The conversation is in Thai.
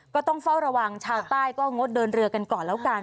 ก็ต้องเฝ้าระวังชาวใต้ก็งดเดินเรือกันก่อนแล้วกัน